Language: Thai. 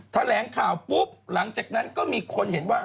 แถลงข่าวปุ๊บหลังจากนั้นก็มีคนเห็นว่า